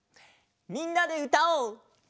みんなでうたおう！